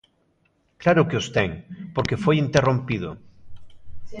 Claro que os ten, porque foi interrompido.